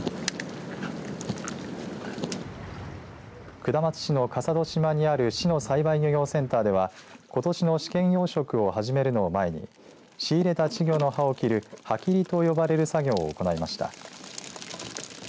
下松市の笠戸島にある市の栽培漁業センターではことしの試験養殖を始めるのを前に仕入れた稚魚の歯を切る歯切りと呼ばれる作業を行いました。